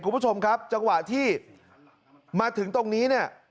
คุณผู้ชมครับจังหวะที่มาถึงตรงนี้เนี่ย